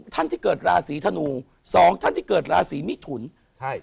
ท่านที่เกิดราศีธนูสองท่านที่เกิดราศีมิถุนใช่